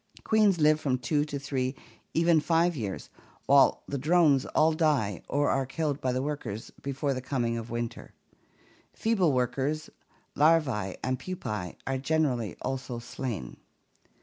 Queens live from two to three, even five years, while the drones all die or are killed by the workers before the coming of winter. Feeble workers, larvae, and pupae are generally also slain.